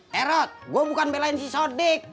herot gua bukan belain si sodiq